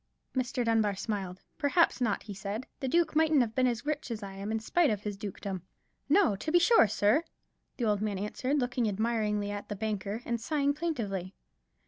Mr. Dunbar smiled. "Perhaps not," he said; "the duke mightn't have been as rich a man as I am in spite of his dukedom." "No, to be sure, sir," the old man answered, looking admiringly at the banker, and sighing plaintively.